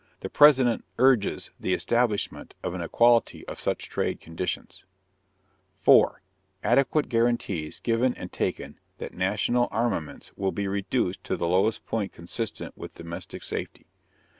The President urges the establishment of an equality of such trade conditions. 4. _Adequate guarantees given and taken that national armaments will be reduced to the lowest point consistent with domestic safety.